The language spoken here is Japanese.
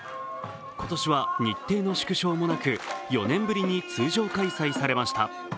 今年は日程の縮小もなく４年ぶりに通常開催されました。